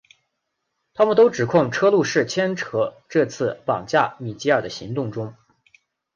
他们都指控车路士牵涉这次绑架米基尔的行动中。